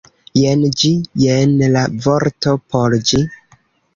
Jen ĝi, jen la vorto por ĝi